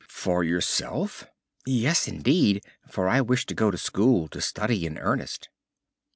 "For yourself?" "Yes indeed, for I wish to go to school to study in earnest."